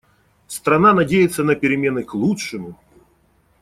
Страна надеется на перемены к лучшему.